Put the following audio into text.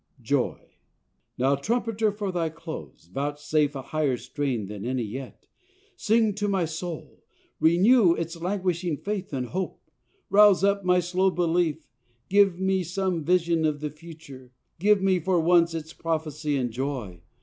"JOY"] "Now, trumpeter, for thy close, Vouchsafe a higher strain than any yet; Sing to my soul renew its languishing faith and hope; Rouse up my slow belief give me some vision of the future; Give me, for once, its prophecy and joy.